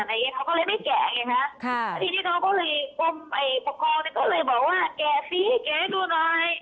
เพราะว่าเขาไม่ได้แกะไงคะทีนี้เขาก็เลยบอกว่าแกะสิแกะดูหน่อย